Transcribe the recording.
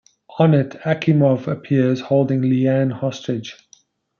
On it, Akimov appears, holding Lee-Ann hostage.